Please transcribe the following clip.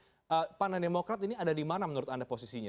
tapi pan dan demokrat ini ada di mana menurut anda posisinya